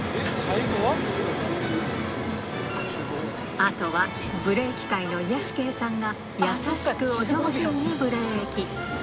あとはブレーキ界の癒やし系さんが優しくお上品にブレーキ